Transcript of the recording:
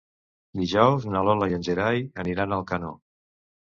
Dijous na Lola i en Gerai aniran a Alcanó.